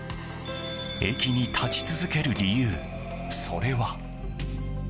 駅に立ち続ける理由、それは。